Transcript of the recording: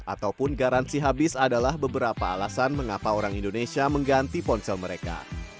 ataupun garansi habis adalah beberapa alasan mengapa orang indonesia mengganti ponsel mereka